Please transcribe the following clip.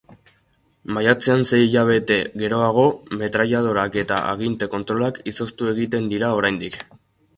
Maiatzean, sei hilabete geroago, metrailadoreak eta aginte-kontrolak izoztu egiten dira oraindik.